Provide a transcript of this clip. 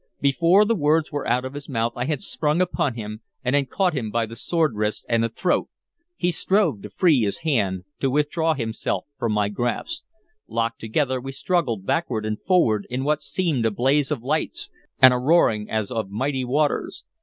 Before the words were out of his mouth I had sprung upon him, and had caught him by the sword wrist and the throat. He strove to free his hand, to withdraw himself from my grasp. Locked together, we struggled backward and forward in what seemed a blaze of lights and a roaring as of mighty waters.